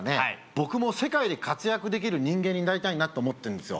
僕も世界で活躍できる人間になりたいなと思ってるんですよ